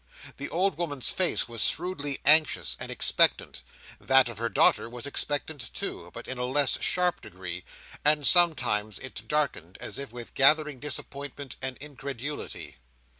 The old woman's face was shrewdly anxious and expectant; that of her daughter was expectant too, but in a less sharp degree, and sometimes it darkened, as if with gathering disappointment and incredulity.